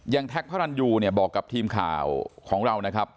ยังบอกกับทีมข่าวของเรา